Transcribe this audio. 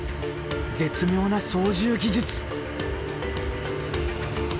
絶妙な操縦技術！